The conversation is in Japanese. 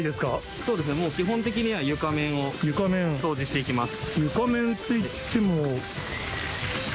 そうですね、もう基本的には床面を掃除していきます。